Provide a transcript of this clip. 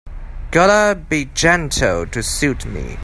Gotta be gentle to suit me.